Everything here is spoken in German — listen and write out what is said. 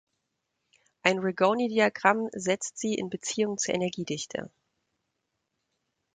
Ein Ragone-Diagramm setzt sie in Beziehung zur Energiedichte.